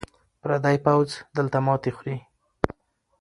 پردی پوځ دلته ماتې خوري.